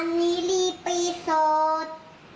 อันนี้ดีปีสด